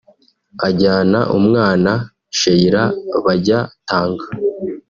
ajyana umwana ( Cheila)bajya Tanga